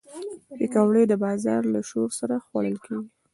پکورې د بازار له شور سره خوړل کېږي